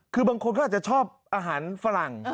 คือบางคนเขาอาจจะชอบอาหารฝรั่ง